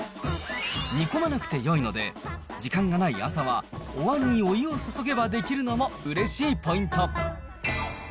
煮込まなくてよいので、時間がない朝は、おわんにお湯を注げば出来るのもうれしいポイント。